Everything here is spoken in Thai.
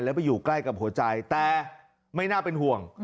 แล้วไปอยู่ใกล้กับหัวใจแต่ไม่น่าเป็นห่วง